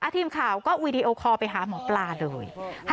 ทีมข่าวก็วีดีโอคอลไปหาหมอปลาเลย